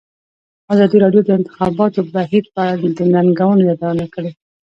ازادي راډیو د د انتخاباتو بهیر په اړه د ننګونو یادونه کړې.